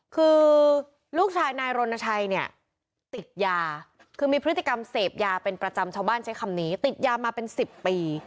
คือลูกชายนายรณชัยเนี่ยติดยาคือมีพฤติกรรมเสพยาเป็นประจำชาวบ้านใช้คำนี้ติดยามาเป็น๑๐ปี